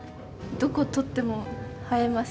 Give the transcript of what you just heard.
どこを撮っても映えます、